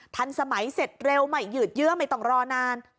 ทันสมัยเสร็จเร็วไม่ยืดเยื้อไม่ต้องรอนาน